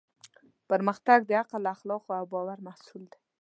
پرمختګ د عقل، اخلاقو او باور محصول دی.